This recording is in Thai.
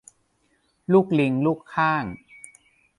ลูกลิงลูกค่าง